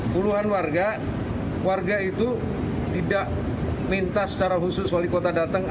puluhan warga warga itu tidak minta secara khusus wali kota datang